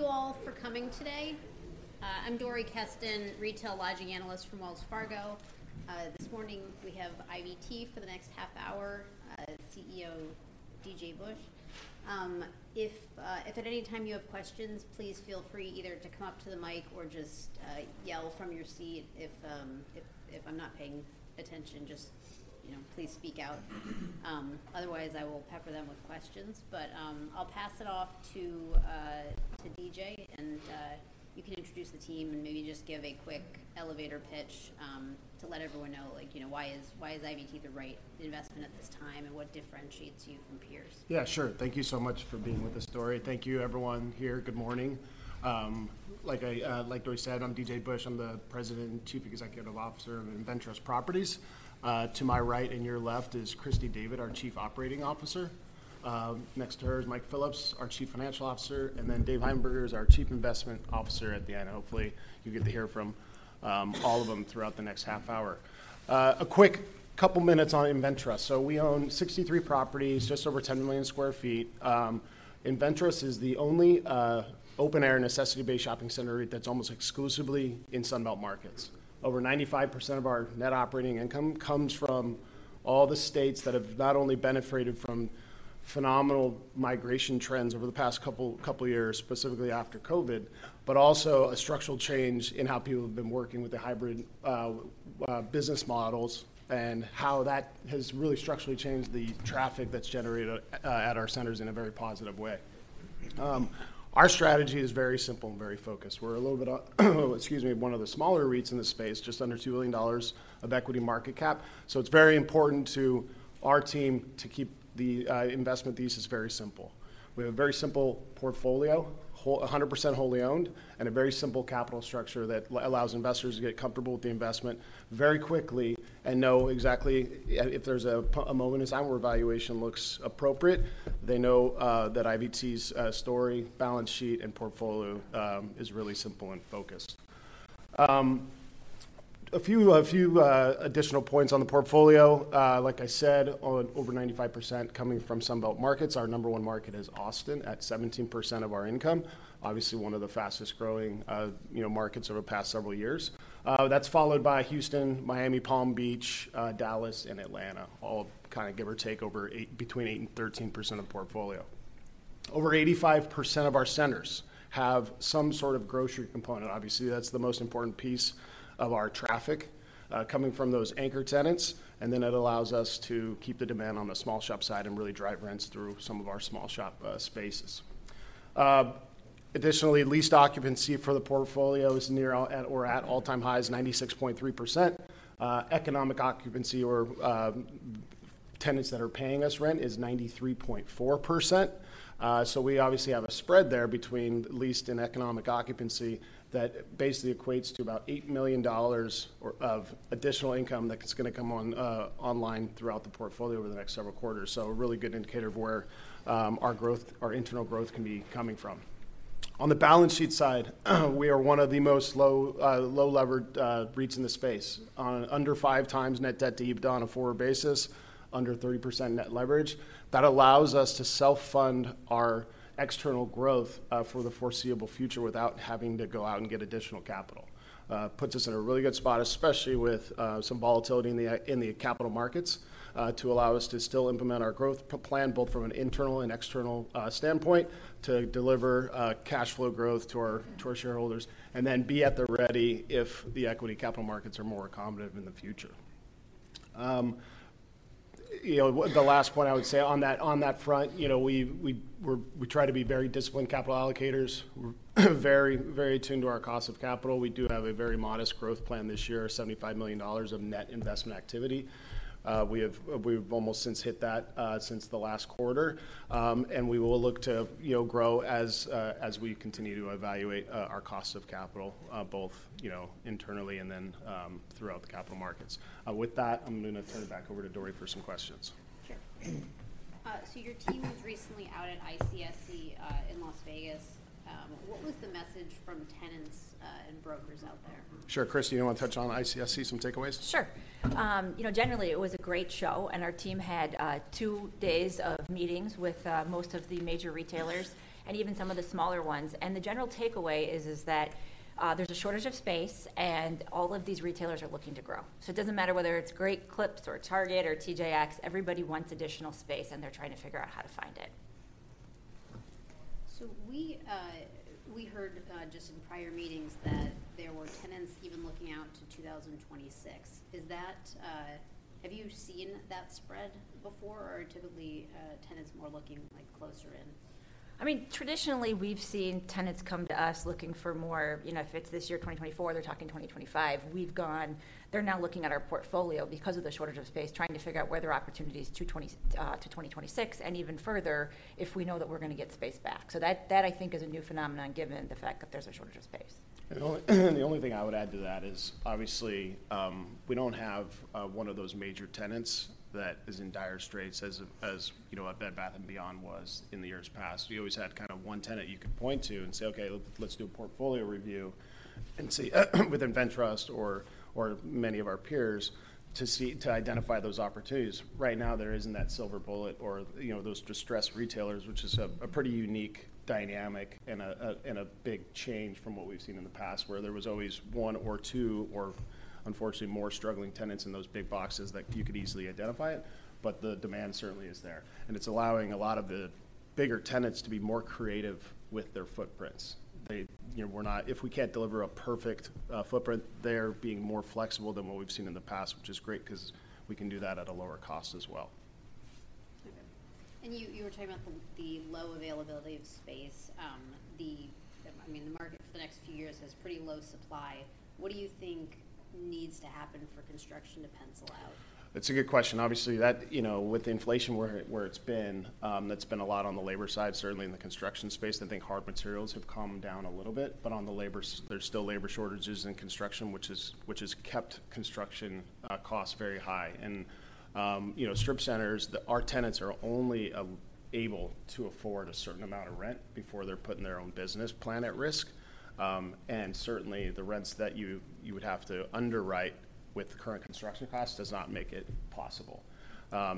Thank you all for coming today. I'm Dori Kesten, Retail Lodging Analyst from Wells Fargo. This morning, we have IVT for the next half hour, CEO D.J. Busch. If at any time you have questions, please feel free either to come up to the mic or just yell from your seat. If I'm not paying attention, just, you know, please speak out. Otherwise, I will pepper them with questions. But I'll pass it off to D.J., and you can introduce the team and maybe just give a quick elevator pitch to let everyone know, like, you know, why is IVT the right investment at this time, and what differentiates you from peers? Yeah, sure. Thank you so much for being with us, Dori. Thank you, everyone here. Good morning. Like Dori said, I'm D.J. Busch. I'm the President and Chief Executive Officer of InvenTrust Properties. To my right and your left is Christy David, our Chief Operating Officer. Next to her is Mike Phillips, our Chief Financial Officer, and then Dave Heimberger is our Chief Investment Officer at the end. Hopefully, you get to hear from all of them throughout the next half hour. A quick couple minutes on InvenTrust. So we own 63 properties, just over 10 million sq ft. InvenTrust is the only open-air necessity base shopping center that's almost exclusively in Sun Belt markets. Over 95% of our net operating income comes from all the states that have not only benefited from phenomenal migration trends over the past couple, couple years, specifically after COVID, but also a structural change in how people have been working with the hybrid business models and how that has really structurally changed the traffic that's generated at our centers in a very positive way. Our strategy is very simple and very focused. We're a little bit, excuse me, one of the smaller REITs in the space, just under $2 billion of equity market cap. So it's very important to our team to keep the investment thesis very simple. We have a very simple portfolio, 100% wholly owned, and a very simple capital structure that allows investors to get comfortable with the investment very quickly and know exactly... If there's a moment in time where valuation looks appropriate, they know that IVT's story, balance sheet, and portfolio is really simple and focused. A few additional points on the portfolio. Like I said, over 95% coming from Sun Belt markets. Our number one market is Austin, at 17% of our income. Obviously, one of the fastest-growing, you know, markets over the past several years. That's followed by Houston, Miami, Palm Beach, Dallas, and Atlanta, all kinda give or take between 8% and 13% of portfolio. Over 85% of our centers have some sort of grocery component. Obviously, that's the most important piece of our traffic, coming from those anchor tenants, and then it allows us to keep the demand on the small shop side and really drive rents through some of our small shop spaces. Additionally, leased occupancy for the portfolio is near or at all-time highs, 96.3%. Economic occupancy or tenants that are paying us rent is 93.4%. So we obviously have a spread there between leased and economic occupancy that basically equates to about $8 million or of additional income that's gonna come on, online throughout the portfolio over the next several quarters. So a really good indicator of where, our growth, our internal growth can be coming from. On the balance sheet side, we are one of the most low-levered REITs in the space. On under 5 times net debt to EBITDA on a forward basis, under 30% net leverage. That allows us to self-fund our external growth, for the foreseeable future without having to go out and get additional capital. Puts us in a really good spot, especially with, some volatility in the, in the capital markets, to allow us to still implement our growth plan, both from an internal and external, standpoint, to deliver, cash flow growth to our to our shareholders, and then be at the ready if the equity capital markets are more accommodative in the future. You know, the last point I would say on that front, you know, we try to be very disciplined capital allocators. We're very, very attuned to our cost of capital. We do have a very modest growth plan this year, $75 million of net investment activity. We've almost since hit that, since the last quarter. And we will look to, you know, grow as we continue to evaluate our cost of capital, both, you know, internally and then throughout the capital markets. With that, I'm gonna turn it back over to Dori for some questions. Sure. So your team was recently out at ICSC in Las Vegas. What was the message from tenants and brokers out there? Sure. Christy, you wanna touch on ICSC, some takeaways? Sure. You know, generally, it was a great show, and our team had two days of meetings with most of the major retailers and even some of the smaller ones. The general takeaway is that there's a shortage of space, and all of these retailers are looking to grow. So it doesn't matter whether it's Great Clips or Target or TJX, everybody wants additional space, and they're trying to figure out how to find it. So we heard just in prior meetings that there were tenants even looking out to 2026. Is that... Have you seen that spread before, or are typically tenants more looking, like, closer in? I mean, traditionally, we've seen tenants come to us looking for more, you know, if it's this year, 2024, they're talking 2025. They're now looking at our portfolio because of the shortage of space, trying to figure out where there are opportunities to 20 to 2026 and even further, if we know that we're gonna get space back. So that, that, I think, is a new phenomenon, given the fact that there's a shortage of space. The only thing I would add to that is, obviously, we don't have one of those major tenants that is in dire straits, as you know, a Bed Bath & Beyond was in the years past. We always had kind of one tenant you could point to and say, "Okay, let's do a portfolio review," and see with InvenTrust or many of our peers to identify those opportunities. Right now, there isn't that silver bullet or, you know, those distressed retailers, which is a pretty unique dynamic and a big change from what we've seen in the past, where there was always one or two, or unfortunately, more struggling tenants in those big boxes that you could easily identify it, but the demand certainly is there. And it's allowing a lot of the-... bigger tenants to be more creative with their footprints. They, you know, we're not. If we can't deliver a perfect footprint, they're being more flexible than what we've seen in the past, which is great, 'cause we can do that at a lower cost as well. Okay. And you were talking about the low availability of space. I mean, the market for the next few years has pretty low supply. What do you think needs to happen for construction to pencil out? That's a good question. Obviously, that, you know, with inflation where it's been, that's been a lot on the labor side, certainly in the construction space. I think hard materials have calmed down a little bit, but on the labor side there's still labor shortages in construction, which has kept construction costs very high. And, you know, strip centers, our tenants are only able to afford a certain amount of rent before they're putting their own business plan at risk. And certainly, the rents that you would have to underwrite with the current construction costs does not make it possible.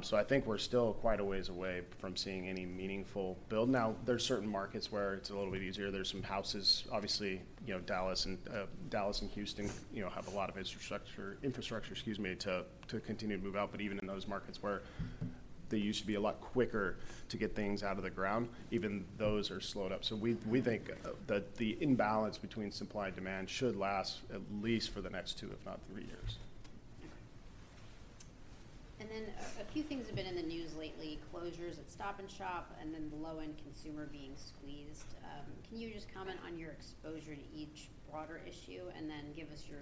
So I think we're still quite a ways away from seeing any meaningful build. Now, there are certain markets where it's a little bit easier. There are some houses, obviously, you know, Dallas and Houston, you know, have a lot of infrastructure, excuse me, to continue to move out. But even in those markets where they used to be a lot quicker to get things out of the ground, even those are slowed up. So we think that the imbalance between supply and demand should last at least for the next 2, if not 3 years. A few things have been in the news lately, closures at Stop & Shop, and then the low-end consumer being squeezed. Can you just comment on your exposure to each broader issue, and then give us your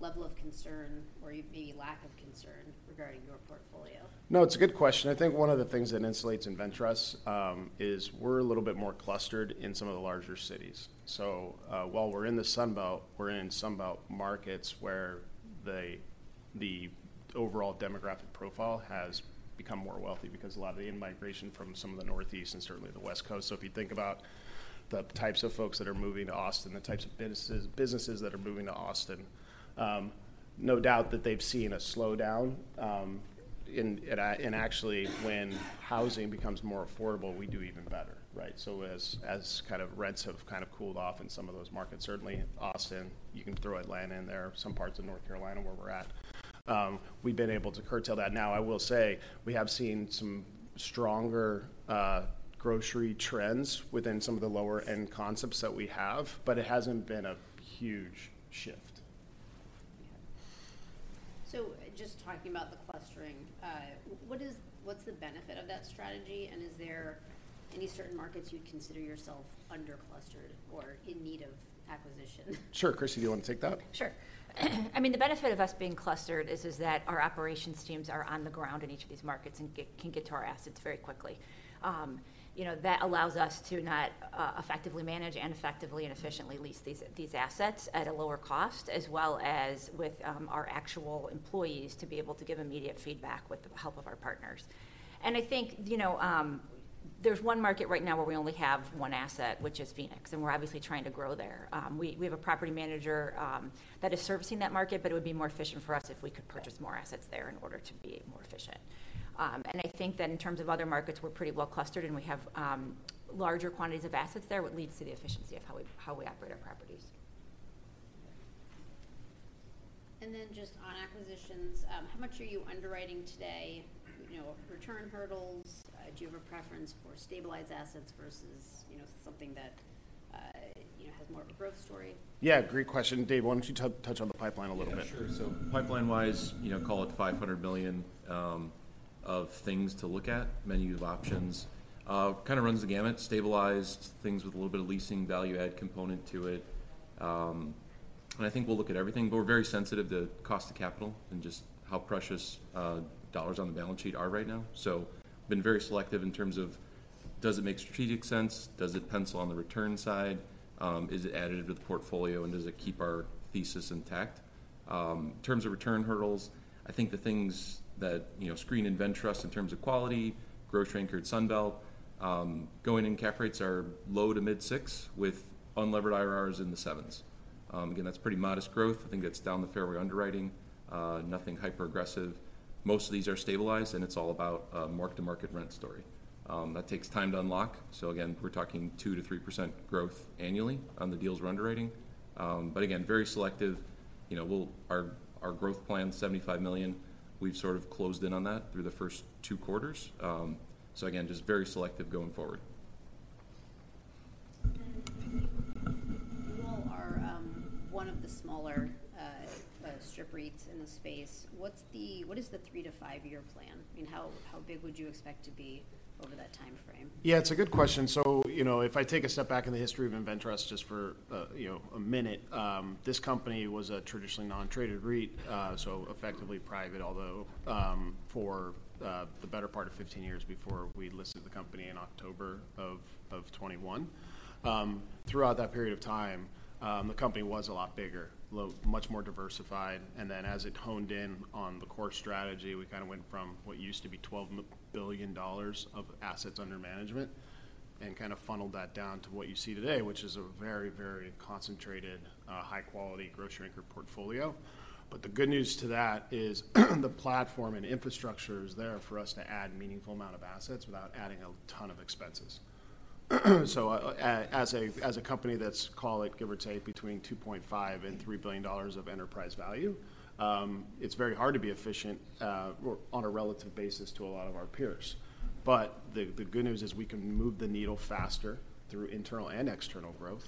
level of concern or maybe lack of concern regarding your portfolio? No, it's a good question. I think one of the things that insulates InvenTrust is we're a little bit more clustered in some of the larger cities. So, while we're in the Sun Belt, we're in Sun Belt markets where the, the overall demographic profile has become more wealthy because a lot of the in-migration from some of the Northeast and certainly the West Coast. So if you think about the types of folks that are moving to Austin, the types of businesses, businesses that are moving to Austin, no doubt that they've seen a slowdown. And actually, when housing becomes more affordable, we do even better, right? So as kind of rents have kind of cooled off in some of those markets, certainly Austin, you can throw Atlanta in there, some parts of North Carolina where we're at, we've been able to curtail that. Now, I will say, we have seen some stronger grocery trends within some of the lower-end concepts that we have, but it hasn't been a huge shift. Yeah. So just talking about the clustering, what's the benefit of that strategy, and is there any certain markets you'd consider yourself under clustered or in need of acquisition? Sure. Christy, do you want to take that? Sure. I mean, the benefit of us being clustered is that our operations teams are on the ground in each of these markets and can get to our assets very quickly. You know, that allows us to effectively manage and effectively and efficiently lease these assets at a lower cost, as well as with our actual employees to be able to give immediate feedback with the help of our partners. I think, you know, there's one market right now where we only have one asset, which is Phoenix, and we're obviously trying to grow there. We have a property manager that is servicing that market, but it would be more efficient for us if we could purchase more assets there in order to be more efficient. I think that in terms of other markets, we're pretty well clustered, and we have larger quantities of assets there, which leads to the efficiency of how we operate our properties. Then just on acquisitions, how much are you underwriting today? You know, return hurdles, do you have a preference for stabilized assets versus, you know, something that, you know, has more of a growth story? Yeah, great question. Dave, why don't you touch on the pipeline a little bit? Yeah, sure. So pipeline-wise, you know, call it $500 million of things to look at, menu of options. Kind of runs the gamut, stabilized things with a little bit of leasing value add component to it. And I think we'll look at everything, but we're very sensitive to cost of capital and just how precious dollars on the balance sheet are right now. So been very selective in terms of, does it make strategic sense? Does it pencil on the return side? Is it additive to the portfolio, and does it keep our thesis intact? In terms of return hurdles, I think the things that, you know, screen InvenTrust in terms of quality, grocery-anchored Sun Belt, going-in cap rates are low-to-mid 6, with unlevered IRRs in the 7s. Again, that's pretty modest growth. I think that's down the fairway underwriting, nothing hyper aggressive. Most of these are stabilized, and it's all about mark-to-market rent story. That takes time to unlock. So again, we're talking 2%-3% growth annually on the deals we're underwriting. But again, very selective. You know, we'll-our growth plan, $75 million, we've sort of closed in on that through the first two quarters. So again, just very selective going forward. You all are one of the smaller strip REITs in the space. What is the 3-5-year plan? I mean, how big would you expect to be over that time frame? Yeah, it's a good question. So, you know, if I take a step back in the history of InvenTrust, just for, you know, a minute, this company was a traditionally non-traded REIT, so effectively private, although, for, the better part of 15 years before we listed the company in October of 2021. Throughout that period of time, the company was a lot bigger, much more diversified, and then as it honed in on the core strategy, we kind of went from what used to be $12 billion of assets under management and kind of funneled that down to what you see today, which is a very, very concentrated, high-quality grocery anchor portfolio. But the good news to that is, the platform and infrastructure is there for us to add meaningful amount of assets without adding a ton of expenses. So, as a company that's, call it, give or take between $2.5 billion and $3 billion of enterprise value, it's very hard to be efficient, on a relative basis to a lot of our peers. But the good news is we can move the needle faster through internal and external growth,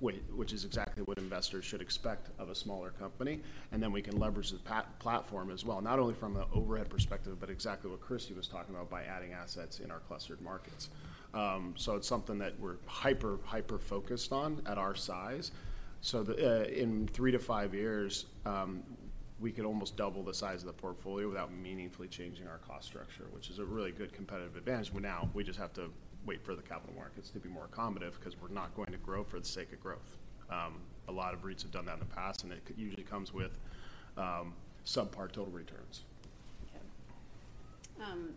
which is exactly what investors should expect of a smaller company, and then we can leverage the platform as well, not only from an overhead perspective, but exactly what Christy was talking about by adding assets in our clustered markets. So it's something that we're hyper, hyper-focused on at our size. So, in 3-5 years, we could almost double the size of the portfolio without meaningfully changing our cost structure, which is a really good competitive advantage. But now we just have to wait for the capital markets to be more accommodative 'cause we're not going to grow for the sake of growth. A lot of REITs have done that in the past, and it usually comes with subpar total returns. Okay.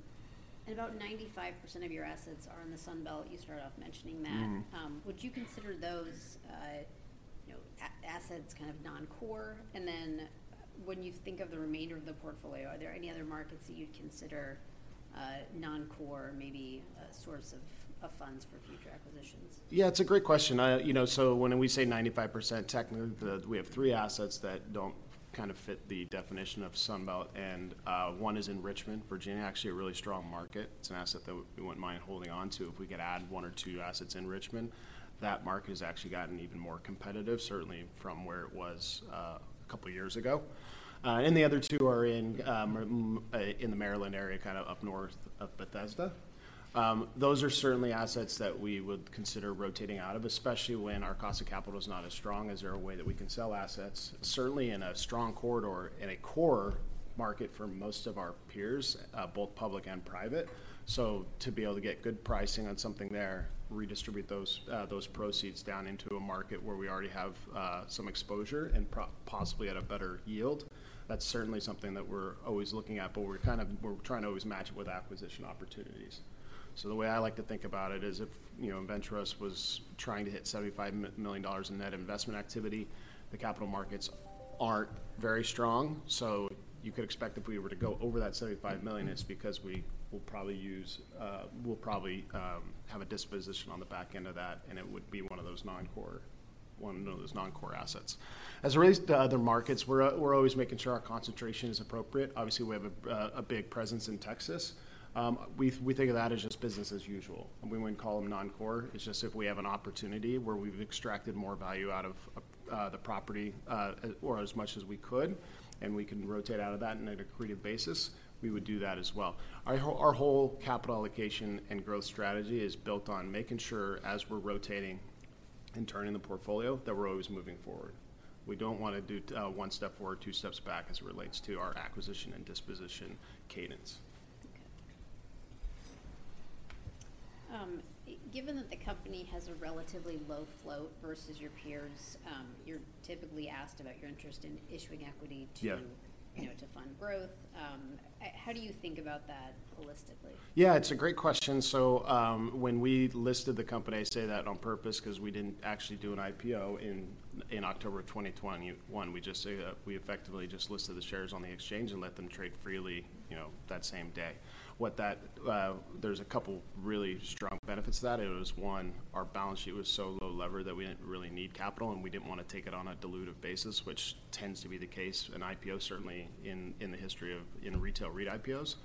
About 95% of your assets are in the Sun Belt. You started off mentioning that. Mm. Would you consider those, you know, assets kind of non-core? And then when you think of the remainder of the portfolio, are there any other markets that you'd consider non-core, maybe a source of funds for future acquisitions? Yeah, it's a great question. You know, so when we say 95%, technically, we have three assets that don't kind of fit the definition of Sun Belt, and one is in Richmond, Virginia, actually a really strong market. It's an asset that we wouldn't mind holding on to if we could add one or two assets in Richmond. That market has actually gotten even more competitive, certainly from where it was a couple of years ago. And the other two are in the Maryland area, kind of up north of Bethesda. Those are certainly assets that we would consider rotating out of, especially when our cost of capital is not as strong. Is there a way that we can sell assets? Certainly, in a strong corridor, in a core market for most of our peers, both public and private. So to be able to get good pricing on something there, redistribute those proceeds down into a market where we already have some exposure and possibly at a better yield, that's certainly something that we're always looking at, but we're kind of, we're trying to always match it with acquisition opportunities. So the way I like to think about it is if, you know, InvenTrust was trying to hit $75 million in net investment activity, the capital markets aren't very strong. So you could expect if we were to go over that $75 million, it's because we will probably use... We'll probably have a disposition on the back end of that, and it would be one of those non-core, one of those non-core assets. As it relates to other markets, we're always making sure our concentration is appropriate. Obviously, we have a big presence in Texas. We think of that as just business as usual, and we wouldn't call them non-core. It's just if we have an opportunity where we've extracted more value out of the property, or as much as we could, and we can rotate out of that in an accretive basis, we would do that as well. Our whole capital allocation and growth strategy is built on making sure as we're rotating and turning the portfolio, that we're always moving forward. We don't want to do, one step forward, two steps back, as it relates to our acquisition and disposition cadence. Okay. Given that the company has a relatively low float versus your peers, you're typically asked about your interest in issuing equity to- Yeah ... you know, to fund growth. How do you think about that holistically? Yeah, it's a great question. So, when we listed the company, I say that on purpose 'cause we didn't actually do an IPO in October of 2021. We just, we effectively just listed the shares on the exchange and let them trade freely, you know, that same day. There's a couple of really strong benefits to that. It was, one, our balance sheet was so low-levered that we didn't really need capital, and we didn't want to take it on a dilutive basis, which tends to be the case in IPO, certainly in the history of retail REIT IPOs.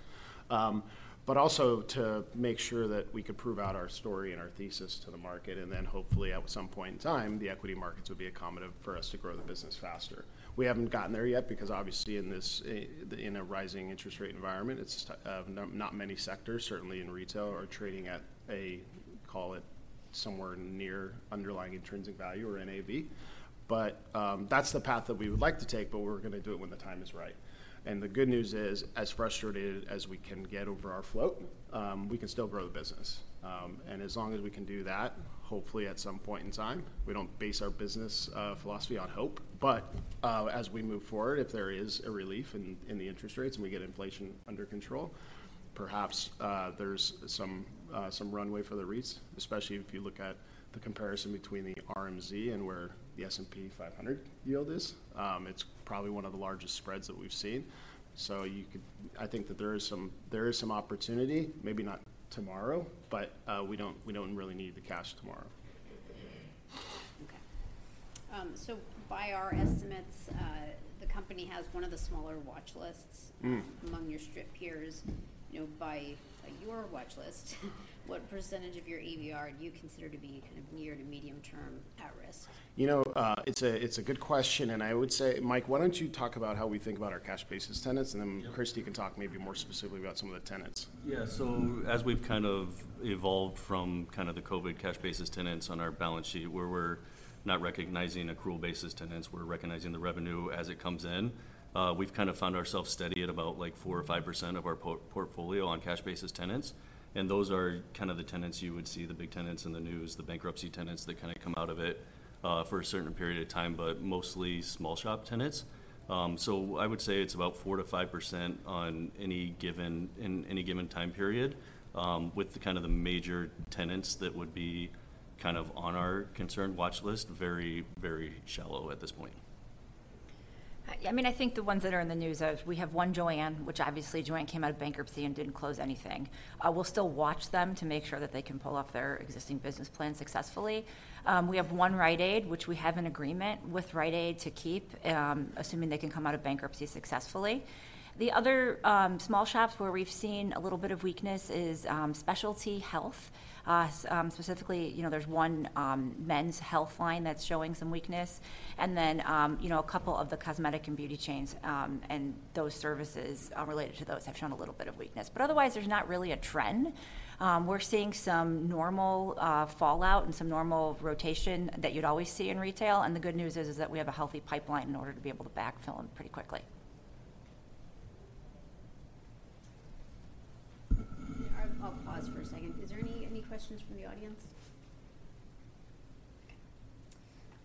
But also to make sure that we could prove out our story and our thesis to the market, and then hopefully, at some point in time, the equity markets would be accommodative for us to grow the business faster. We haven't gotten there yet because obviously in this in a rising interest rate environment, it's not many sectors, certainly in retail, are trading at a call it somewhere near underlying intrinsic value or NAV. But that's the path that we would like to take, but we're gonna do it when the time is right. And the good news is, as frustrated as we can get over our float, we can still grow the business. And as long as we can do that, hopefully, at some point in time, we don't base our business philosophy on hope. But, as we move forward, if there is a relief in the interest rates, and we get inflation under control, perhaps, there's some runway for the REITs, especially if you look at the comparison between the RMZ and where the S&P 500 yield is. It's probably one of the largest spreads that we've seen. So you could. I think that there is some opportunity, maybe not tomorrow, but, we don't really need the cash tomorrow. Okay. By our estimates, the company has one of the smaller watch lists- Mm... among your strip peers. You know, by your watch list, what percentage of your EVR do you consider to be kind of near to medium-term at risk? You know, it's a good question, and I would say, Mike, why don't you talk about how we think about our cash-basis tenants, and then- Yeah. Christy, you can talk maybe more specifically about some of the tenants. Yeah. So as we've kind of evolved from kind of the COVID cash-basis tenants on our balance sheet, where we're not recognizing accrual-basis tenants, we're recognizing the revenue as it comes in, we've kind of found ourselves steady at about, like, 4 or 5% of our portfolio on cash-basis tenants. And those are kind of the tenants you would see, the big tenants in the news, the bankruptcy tenants that kind of come out of it, for a certain period of time, but mostly small shop tenants. So I would say it's about 4%-5% in any given time period, with the kind of the major tenants that would be kind of on our concerned watch list, very, very shallow at this point. ... Yeah, I mean, I think the ones that are in the news are, we have one JOANN, which obviously JOANN came out of bankruptcy and didn't close anything. We'll still watch them to make sure that they can pull off their existing business plan successfully. We have one Rite Aid, which we have an agreement with Rite Aid to keep, assuming they can come out of bankruptcy successfully. The other small shops where we've seen a little bit of weakness is, specialty health. Specifically, you know, there's one men's health line that's showing some weakness and then, you know, a couple of the cosmetic and beauty chains, and those services related to those have shown a little bit of weakness, but otherwise, there's not really a trend. We're seeing some normal fallout and some normal rotation that you'd always see in retail, and the good news is that we have a healthy pipeline in order to be able to backfill them pretty quickly. I'll pause for a second. Is there any questions from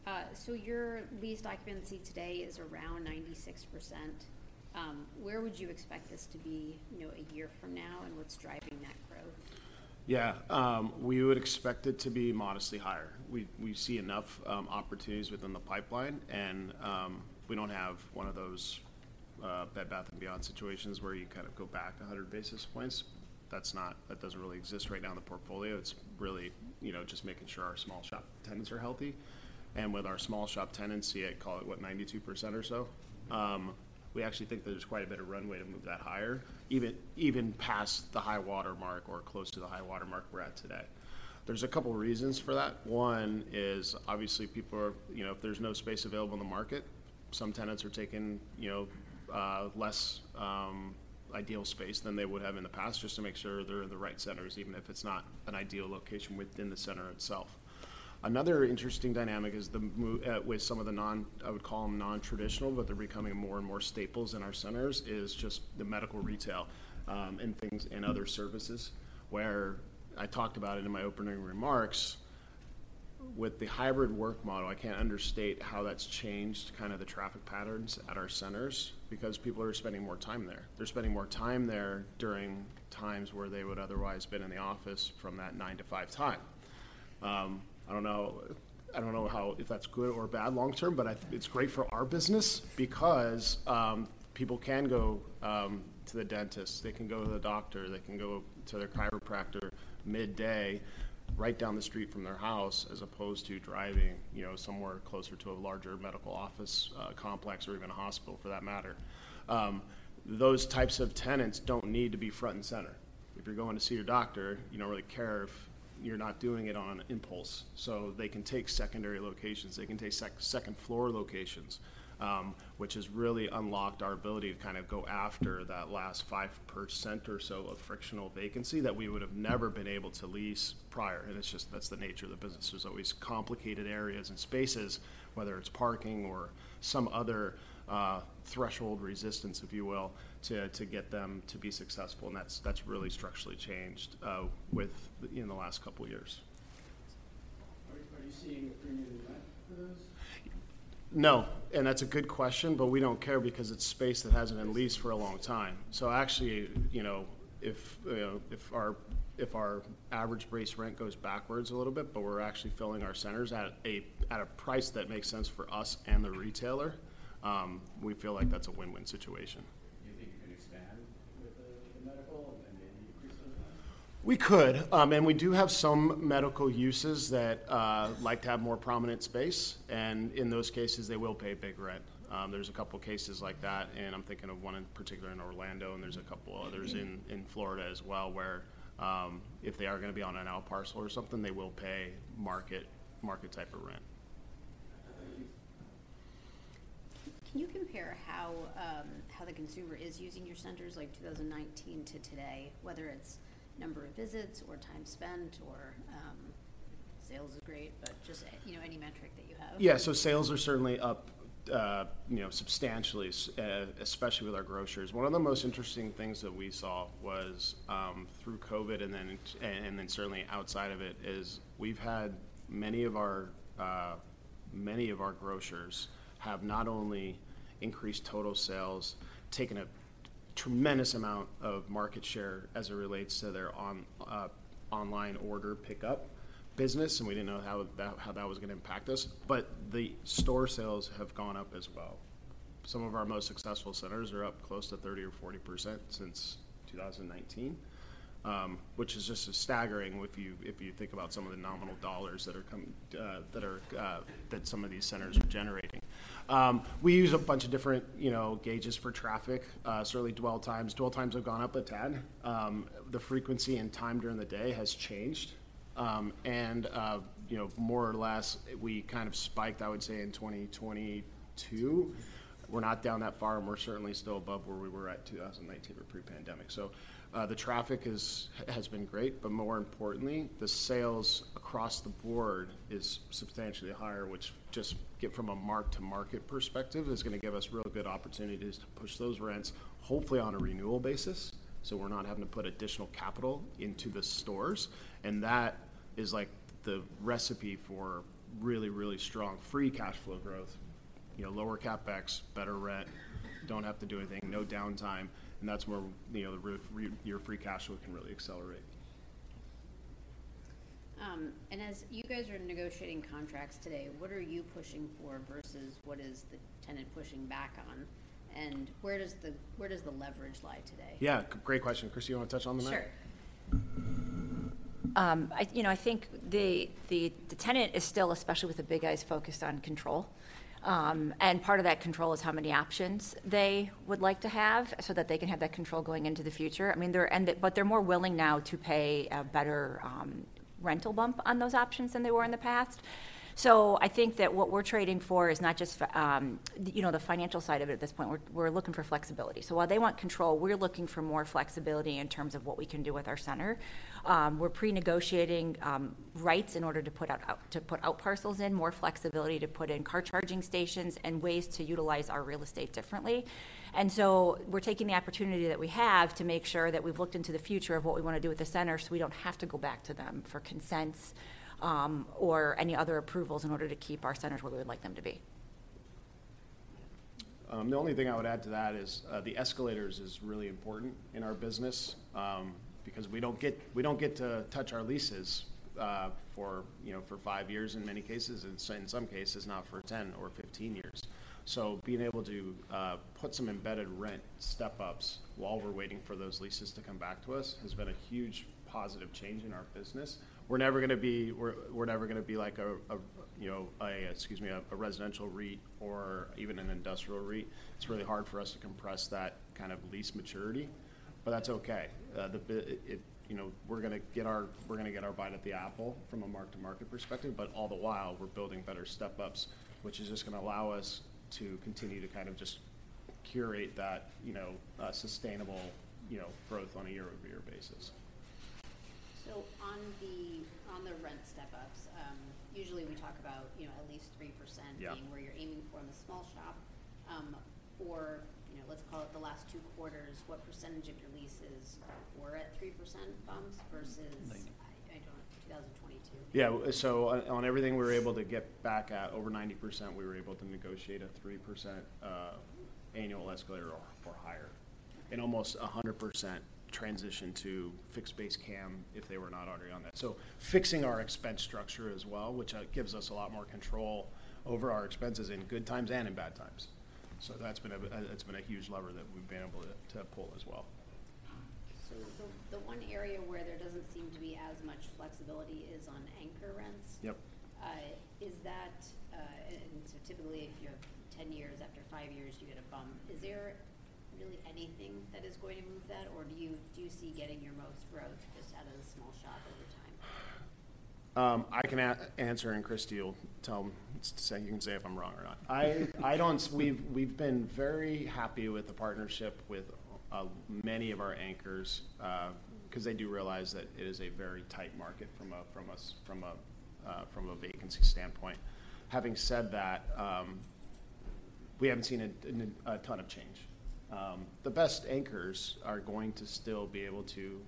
the audience? So your leased occupancy today is around 96%. Where would you expect this to be, you know, a year from now, and what's driving that growth? Yeah. We would expect it to be modestly higher. We, we see enough opportunities within the pipeline, and we don't have one of those Bed Bath & Beyond situations where you kind of go back 100 basis points. That's not. That doesn't really exist right now in the portfolio. It's really, you know, just making sure our small shop tenants are healthy, and with our small shop tenancy, I call it, what? 92% or so. We actually think there's quite a bit of runway to move that higher, even, even past the high water mark or close to the high water mark we're at today. There's a couple reasons for that. One is, obviously, people are... You know, if there's no space available in the market, some tenants are taking, you know, less ideal space than they would have in the past just to make sure they're in the right centers, even if it's not an ideal location within the center itself. Another interesting dynamic is with some of the non, I would call them non-traditional, but they're becoming more and more staples in our centers, is just the medical retail, and things, and other services, where I talked about it in my opening remarks, with the hybrid work model, I can't understate how that's changed kind of the traffic patterns at our centers because people are spending more time there. They're spending more time there during times where they would otherwise been in the office from that nine-to-five time. I don't know, I don't know how... if that's good or bad long term, but it's great for our business because, people can go, to the dentist, they can go to the doctor, they can go to their chiropractor midday, right down the street from their house, as opposed to driving, you know, somewhere closer to a larger medical office, complex or even a hospital, for that matter. Those types of tenants don't need to be front and center. If you're going to see your doctor, you don't really care if you're not doing it on impulse. So they can take secondary locations, they can take second-floor locations, which has really unlocked our ability to kind of go after that last 5% or so of frictional vacancy that we would have never been able to lease prior, and it's just that's the nature of the business. There's always complicated areas and spaces, whether it's parking or some other threshold resistance, if you will, to get them to be successful, and that's really structurally changed within the last couple of years. Are you seeing a premium rent for those? No, and that's a good question, but we don't care because it's space that hasn't been leased for a long time. So actually, you know, if our average base rent goes backwards a little bit, but we're actually filling our centers at a price that makes sense for us and the retailer, we feel like that's a win-win situation. Do you think you can expand with the medical and maybe increase some of that? We could. We do have some medical uses that like to have more prominent space, and in those cases, they will pay big rent. There's a couple cases like that, and I'm thinking of one in particular in Orlando, and there's a couple others in Florida as well, where if they are gonna be on an out parcel or something, they will pay market, market type of rent. Thank you. Can you compare how the consumer is using your centers, like 2019 to today, whether it's number of visits or time spent or sales is great, but just you know, any metric that you have? Yeah. So sales are certainly up, you know, substantially, especially with our grocers. One of the most interesting things that we saw was, through COVID and then, and then certainly outside of it, is we've had many of our grocers have not only increased total sales, taken a tremendous amount of market share as it relates to their online order pickup business, and we didn't know how that was gonna impact us, but the store sales have gone up as well. Some of our most successful centers are up close to 30% or 40% since 2019, which is just a staggering if you think about some of the nominal dollars that are coming, that some of these centers are generating. We use a bunch of different, you know, gauges for traffic. Certainly dwell times. Dwell times have gone up a tad. The frequency and time during the day has changed, and, you know, more or less, we kind of spiked, I would say, in 2022. We're not down that far, and we're certainly still above where we were at 2019 or pre-pandemic. So, the traffic is, has been great, but more importantly, the sales across the board is substantially higher, which just get from a mark-to-market perspective, is gonna give us really good opportunities to push those rents, hopefully on a renewal basis, so we're not having to put additional capital into the stores, and that is like the recipe for really, really strong free cash flow growth. You know, lower CapEx, better rent, don't have to do anything, no downtime, and that's where, you know, your free cash flow can really accelerate. and as you guys are negotiating contracts today, what are you pushing for versus what is the tenant pushing back on? And where does the, where does the leverage lie today? Yeah, great question. Christy, you want to touch on that? Sure. You know, I think the tenant is still, especially with the big guys, focused on control. And part of that control is how many options they would like to have so that they can have that control going into the future. I mean, but they're more willing now to pay a better rental bump on those options than they were in the past. So I think that what we're trading for is not just for, you know, the financial side of it at this point. We're looking for flexibility. So while they want control, we're looking for more flexibility in terms of what we can do with our center. We're pre-negotiating rights in order to put out parcels in more flexibility to put in car charging stations and ways to utilize our real estate differently. And so we're taking the opportunity that we have to make sure that we've looked into the future of what we want to do with the center, so we don't have to go back to them for consents, or any other approvals in order to keep our centers where we would like them to be. The only thing I would add to that is, the escalators is really important in our business, because we don't get to touch our leases, for, you know, for 5 years in many cases, and so in some cases, not for 10 or 15 years. So being able to put some embedded rent step-ups while we're waiting for those leases to come back to us has been a huge positive change in our business. We're never going to be like a, you know, a, excuse me, a residential REIT or even an industrial REIT. It's really hard for us to compress that kind of lease maturity, but that's okay. You know, we're going to get our bite at the apple from a mark-to-market perspective, but all the while, we're building better step-ups, which is just going to allow us to continue to kind of just curate that, you know, sustainable, you know, growth on a year-over-year basis. So on the rent step-ups, usually we talk about, you know, at least 3%- Yeah being where you're aiming for in the small shop. You know, let's call it the last two quarters, what percentage of your leases were at 3% bumps versus- Ninety. I don't... 2022. Yeah. So on everything we were able to get back at over 90%, we were able to negotiate a 3% annual escalator or higher. And almost 100% transition to fixed-base CAM if they were not already on that. So fixing our expense structure as well, which gives us a lot more control over our expenses in good times and in bad times. So that's been a huge lever that we've been able to pull as well. So the one area where there doesn't seem to be as much flexibility is on anchor rents. Yep. So typically, if you're 10 years, after 5 years, you get a bump. Is there really anything that is going to move that, or do you see getting your most growth just out of the small shop over time? I can answer, and Christy will say, you can say if I'm wrong or not. I don't-- We've been very happy with the partnership with many of our anchors, 'cause they do realize that it is a very tight market from a vacancy standpoint. Having said that, we haven't seen a ton of change. The best anchors are going to still be able to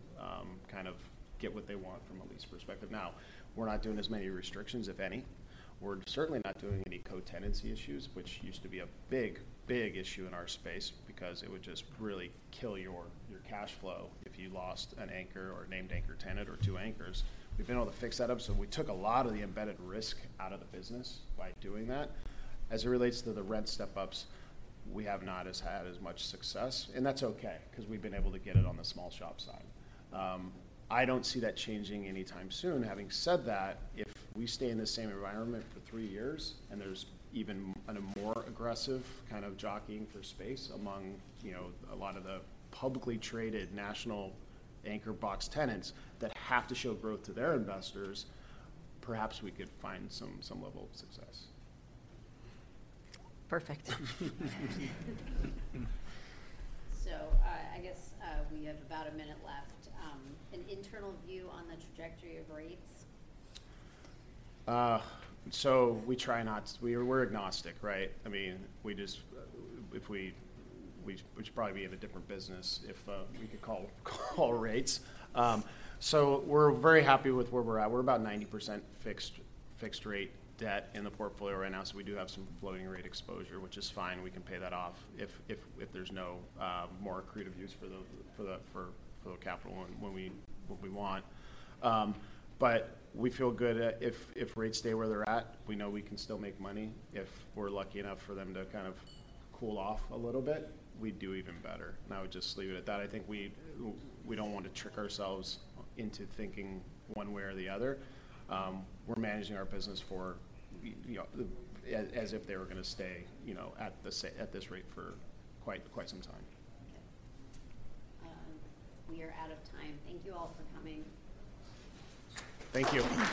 kind of get what they want from a lease perspective. Now, we're not doing as many restrictions, if any. We're certainly not doing any co-tenancy issues, which used to be a big, big issue in our space because it would just really kill your cash flow if you lost an anchor or a named anchor tenant or two anchors. We've been able to fix that up, so we took a lot of the embedded risk out of the business by doing that. As it relates to the rent step-ups, we have not had as much success, and that's okay, 'cause we've been able to get it on the small shop side. I don't see that changing anytime soon. Having said that, if we stay in the same environment for three years, and there's even a more aggressive kind of jockeying for space among, you know, a lot of the publicly traded national anchor box tenants that have to show growth to their investors, perhaps we could find some level of success. Perfect. So, I guess, we have about a minute left. An internal view on the trajectory of rates? So we try not to. We're agnostic, right? I mean, we just if we should probably be in a different business if we could call rates. So we're very happy with where we're at. We're about 90% fixed rate debt in the portfolio right now, so we do have some floating rate exposure, which is fine. We can pay that off if there's no more creative use for the capital when we want. But we feel good about if rates stay where they're at, we know we can still make money. If we're lucky enough for them to kind of cool off a little bit, we'd do even better, and I would just leave it at that. I think we don't want to trick ourselves into thinking one way or the other. We're managing our business for, you know, as if they were going to stay, you know, at this rate for quite some time. OkayWe are out of time. Thank you all for coming. Thank you.